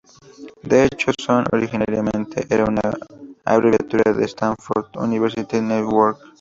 De hecho, "Sun" originariamente era una abreviatura de "Stanford University Network".